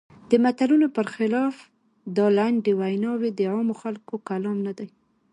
د متلونو پر خلاف دا لنډې ویناوی د عامو خلکو کلام نه دی.